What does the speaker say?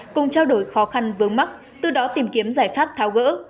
cùng trao đổi khó khăn vướng mắt từ đó tìm kiếm giải pháp tháo gỡ